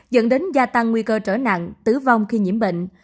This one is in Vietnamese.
dẫn đến gia tăng nguy cơ trở nặng tử vong khi nhiễm bệnh